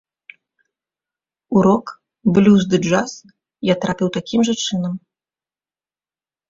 У рок, блюз ды джаз я трапіў такім жа чынам.